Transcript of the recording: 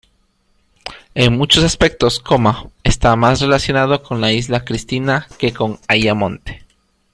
En muchos aspectos, está más relacionada con Isla Cristina que con Ayamonte.